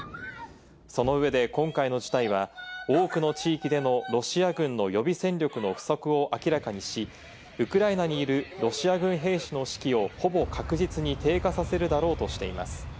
その上で今回の事態は、多くの地域でのロシア軍の予備戦力の不足を明らかにし、ウクライナにいるロシア軍兵士の士気をほぼ確実に低下させるだろうとしています。